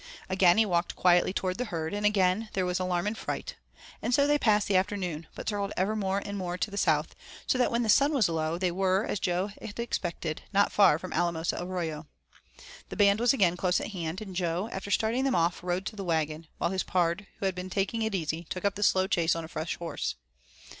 Again he walked quietly toward the herd, and again there was the alarm and fright. And so they passed the afternoon, but circled ever more and more to the south, so that when the sun was low they were, as Jo had expected, not far from Alamosa Arroyo. The band was again close at hand, and Jo, after starting them off, rode to the wagon, while his pard, who had been taking it easy, took up the slow chase on a fresh horse.